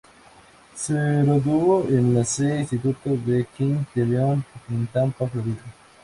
Se graduó en C. Instituto de King del Leon en Tampa, Florida.